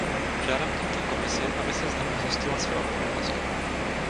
Žádám tímto Komisi, aby se znovu zhostila své odpovědnosti.